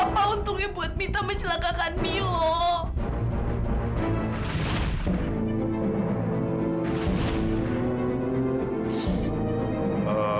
apa untungnya buat minta mencelakakan milo